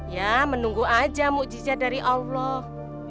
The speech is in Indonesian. ya menunggu aja mukjizat dari allah